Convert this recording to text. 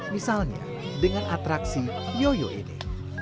misalnya dengan atraksi yoyo ini